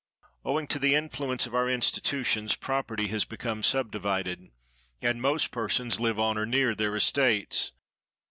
Owing to the influence of our institutions, property has become subdivided, and most persons live on or near their estates.